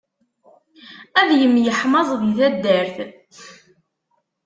Ad yemyeḥmaẓ di taddart.